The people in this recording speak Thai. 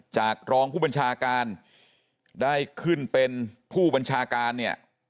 จากรองผู้บัญชาการได้ขึ้นเป็นผู้บัญชาการเนี่ย